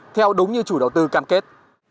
theo đúng như chủ đầu tư cam kết